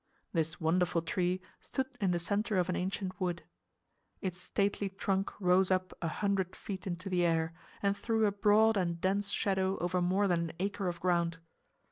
This wonderful tree stood in the center of an ancient wood. Its stately trunk rose up a hundred feet into the air and threw a broad and dense shadow over more than an acre of ground.